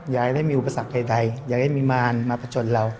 อยากให้ไม่มีอุปสรรคใดอยากให้มีมารมาประจนเรา